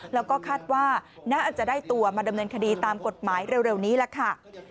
แล้วก็คาดว่าน่าจะได้ตัวมาดำเนินคดีตามกฎหมายเร็วนี้ล่ะค่ะ